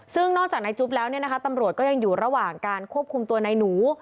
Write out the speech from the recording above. ซึ่งนอกจากนายจุ๊บแล้วเนี่ยนะคะตำรวจก็ยังอยู่ระหว่างการควบคุมตัวนายหนู